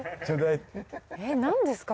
えっなんですか？